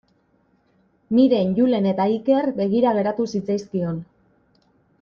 Miren, Julen eta Iker begira geratu zitzaizkion.